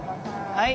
はい。